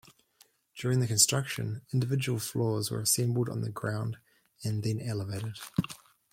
During the construction, individual floors were assembled on the ground and then elevated.